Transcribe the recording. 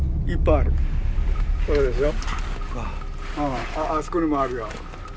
あそこにもあるよ。